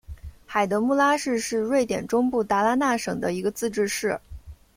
海德穆拉市是瑞典中部达拉纳省的一个自治市。